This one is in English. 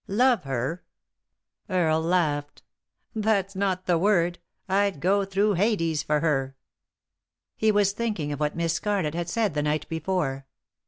"Love herl" Earle laughed. "That's not the word. I'd go through Hades for her." He was thinking of what Miss Scarlett had said the night before.